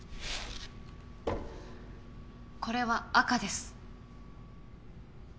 これは赤です。